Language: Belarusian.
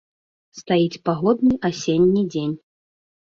Стаіць пагодны асенні дзень.